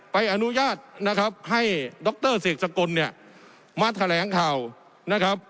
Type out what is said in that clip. อนุญาตนะครับให้ดรเสกสกลเนี่ยมาแถลงข่าวนะครับ